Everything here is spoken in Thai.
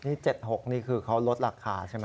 นี่๗๖นี่คือเขาลดราคาใช่ไหม